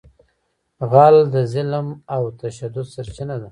غل د ظلم او تشدد سرچینه ده